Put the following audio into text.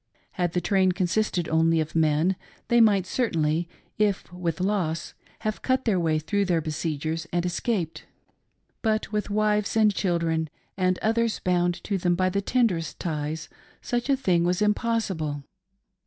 Had the train consisted only of men, they might certainly, if with loss, have cut their way through their besiegers and escaped ; but with wives and children, and others bound to them by the ten derest ties, such a thing was impossible.